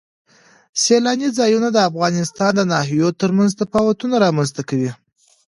سیلانی ځایونه د افغانستان د ناحیو ترمنځ تفاوتونه رامنځ ته کوي.